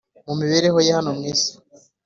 Mu mibereho ye hano mw,isi.